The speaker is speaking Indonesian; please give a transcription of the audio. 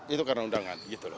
itu karena undangan gitu loh